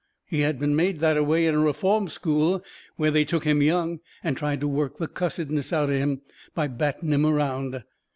He had been made that a way in a reform school where they took him young and tried to work the cussedness out'n him by batting him around.